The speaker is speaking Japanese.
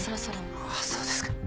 ああそうですか。